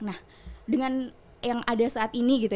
nah dengan yang ada saat ini gitu